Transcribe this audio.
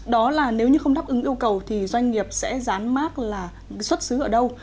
đó là nếu như không đáp ứng yêu cầu thì doanh nghiệp sẽ rán mát là xuất xứ ở đâu